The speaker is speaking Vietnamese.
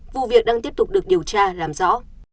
vụ việc đang tiếp tục được điều tra làm rõ